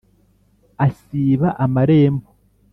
Asiba amarembo